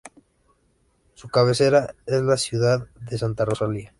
Su cabecera es la ciudad de Santa Rosalía.